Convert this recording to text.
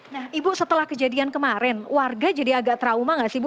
nah ibu setelah kejadian kemarin warga jadi agak trauma gak sih bu